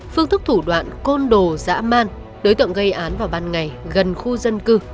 phương thức thủ đoạn côn đồ dạ mạn đối tượng gây án vào ban ngày gần khu dân cư